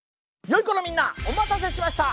よいこのみんなおまたせしました！